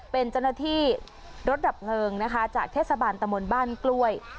เป็นจนทีรถดับเพลิงนะคะจากเทศบาลตำบลบ้านกล้วย